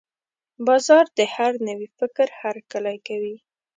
بازار د هر نوي فکر هرکلی کوي.